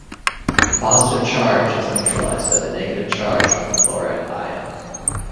The positive charge is neutralized by the negative charge on the chloride ion.